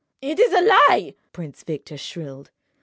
"It is a lie!" Prince Victor shrilled.